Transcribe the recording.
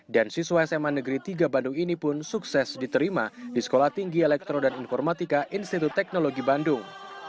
dan siswa sma negeri tiga bandung ini pun sukses diterima di sekolah tinggi elektro dan informatika institut teknologi bandung